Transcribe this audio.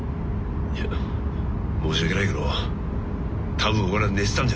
いや申し訳ないけど多分俺は寝てたんじゃないかな。